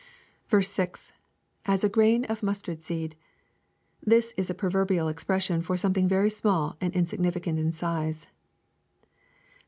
6. — [As a grain of mtistard seed.] This is a proverbial expression for something very small and insignificant in size.